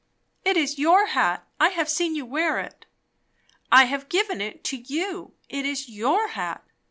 "It is your hat. I have seen you wear it." "I have given it to you. It is your hat."